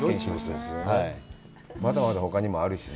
まだまだ、ほかにもあるしね。